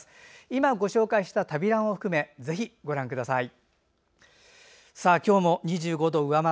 今、ご紹介した「旅ラン」を含めぜひご覧ください。